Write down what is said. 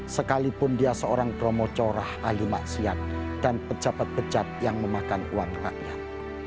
sekalipun dia seorang promocorah ali maksiat dan pejabat pecat yang memakan uang rakyat